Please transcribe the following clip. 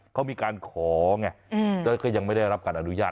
เขามีการขอไงแล้วก็ยังไม่ได้รับการอนุญาต